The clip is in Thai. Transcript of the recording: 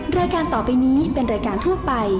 รายการต่อไปนี้เป็นรายการทั่วไป